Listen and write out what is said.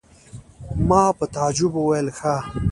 ما په تعجب وویل: ښه!